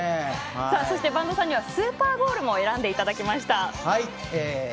そして、播戸さんにはスーパーゴールも選んでいただきました。